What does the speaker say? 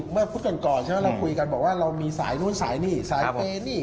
เมื่อพูดกันก่อนเราคุยกันบอกว่าเรามีสายนู้นสายนี่สายเฟรนี่